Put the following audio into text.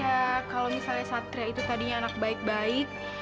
ya kalau misalnya satria itu tadinya anak baik baik